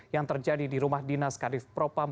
yang terjadi di rumah dinas kadif propam